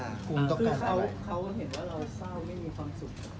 ถูกต้องเขาเห็นว่าเราเศร้าไม่มีความสุข